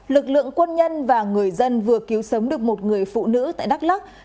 lực lượng quân nhân và người dân vừa cứu sống được một người phụ nữ tại đắk lắc